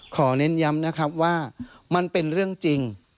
เน้นย้ำนะครับว่ามันเป็นเรื่องจริง